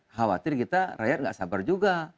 khawatir kita rakyat nggak sabar juga